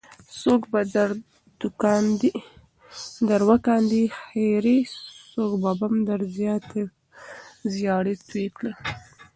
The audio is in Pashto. څوک به در وکاندې خیرې څوک بم در زیاړې توه کړي.